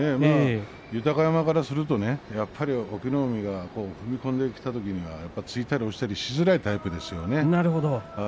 豊山からするとやっぱり隠岐の海は踏み込んできたときには突いたり押したりしづらいタイプですよね。